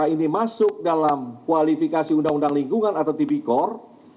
ini masuk dalam kualifikasi undang undang lingkungan atau tipikor